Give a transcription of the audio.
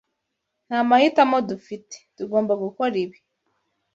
Nta mahitamo dufite. Tugomba gukora ibi.